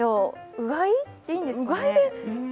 うがいでいいんですかね？